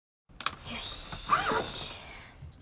よし。